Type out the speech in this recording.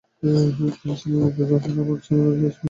তিনি ছিলেন Andrew Johnston এবং ইসাবেল কিথের ছেলে।